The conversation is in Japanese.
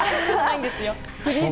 いいんですよ。